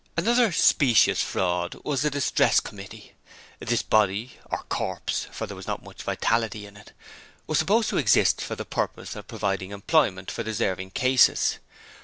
Another specious fraud was the 'Distress Committee'. This body or corpse, for there was not much vitality in it was supposed to exist for the purpose of providing employment for 'deserving cases'.